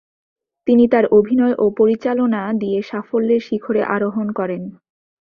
তিনি তার অভিনয় ও পরিচালনা দিয়ে সাফল্যের শিখরে আরোহণ করেন।